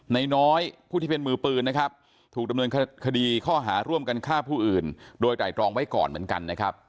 น้อยผู้ที่เป็นมือปืนนะครับถูกดำเนินคดีข้อหาร่วมกันฆ่าผู้อื่นโดยไตรตรองไว้ก่อนเหมือนกันนะครับ